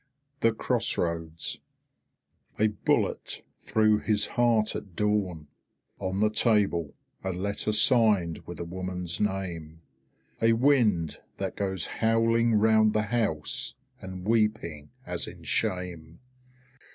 The Cross Roads A bullet through his heart at dawn. On the table a letter signed with a woman's name. A wind that goes howling round the house, and weeping as in shame.